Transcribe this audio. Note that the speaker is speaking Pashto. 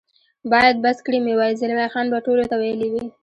باید بس کړي مې وای، زلمی خان به ټولو ته ویلي وي.